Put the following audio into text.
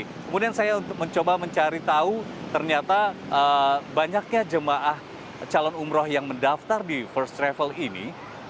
kemudian saya mencoba mencari tahu ternyata banyaknya jemaah calon umroh yang mendaftar di first travel ini